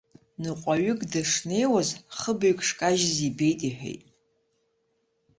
Ныҟәаҩык дышнеиуаз, хыбаҩк шкажьыз ибеит, иҳәеит.